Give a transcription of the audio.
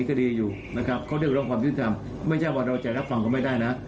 เค้าได้รับความยุติธรรมไม่ว่าเราจะรับฟังก็ไม่ได้นะ